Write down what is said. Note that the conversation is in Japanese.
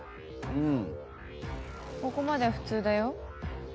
ここまでは普通だよ。